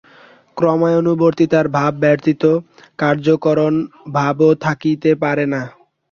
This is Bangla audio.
ক্রমানুবর্তিতার ভাব ব্যতীত কার্যকারণ-ভাবও থাকিতে পারে না।